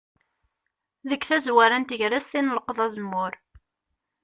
Deg tazwara n tegrest i nleqqeḍ azemmur.